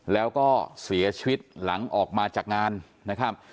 แล้วก็เสียชีวิตหลังออกมาจากงานนะครับ